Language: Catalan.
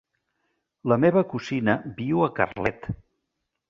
La meva cosina viu a Carlet.